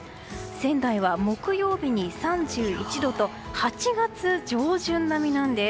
仙台は木曜日に３１度と８月上旬並みなんです。